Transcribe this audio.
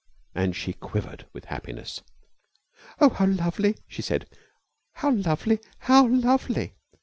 And she quivered with happiness. "Oh, how lovely!" she said. "How lovely! How lovely!"